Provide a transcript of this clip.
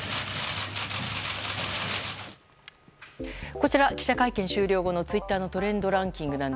こちら、記者会見終了後のツイッターのトレンドランキング。